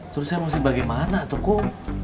terus saya mesti bagaimana tuh kum